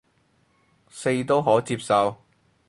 四都可接受